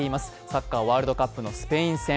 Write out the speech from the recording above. サッカーワールドカップのスペイン戦。